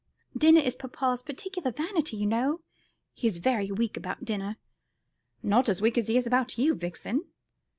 Dinner is papa's particular vanity, you know. He's very weak about dinner." "Not so weak as he is about you, Vixen."